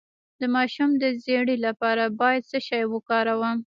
د ماشوم د ژیړي لپاره باید څه شی وکاروم؟